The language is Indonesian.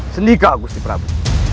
sendika gusti prabu